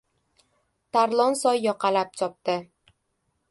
Tarlon soy yoqalab chopdi.